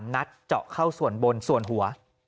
นัดเจาะเข้าส่วนบนส่วนหัว